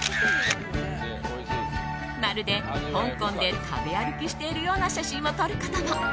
まるで、香港で食べ歩きをしているような写真を撮ることも。